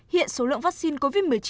hiện số lượng vaccine covid một mươi chín